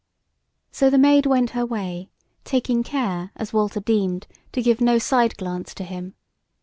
So the Maid went her way, taking care, as Walter deemed, to give no side glance to him.